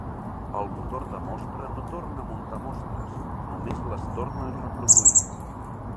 El motor de mostra no torna a muntar mostres, només les torna a reproduir.